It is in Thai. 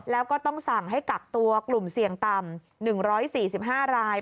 แล้วก็ต้องสั่งให้กักตัวกลุ่มเสี่ยงต่ำ๑๔๕ราย